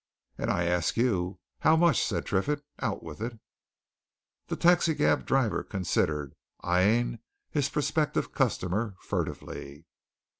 "And I ask you how much?" said Triffitt. "Out with it!" The taxi cab driver considered, eyeing his prospective customer furtively.